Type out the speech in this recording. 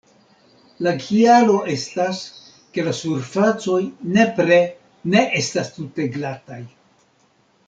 La kialo estas, ke la surfacoj nepre ne estas tute glataj.